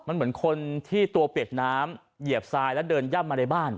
มันเหมือนคนที่ตัวเปียกน้ำเหยียบทรายแล้วเดินย่ำมาในบ้าน